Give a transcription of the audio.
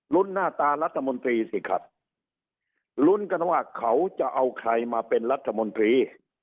หน้าตารัฐมนตรีสิครับลุ้นกันว่าเขาจะเอาใครมาเป็นรัฐมนตรี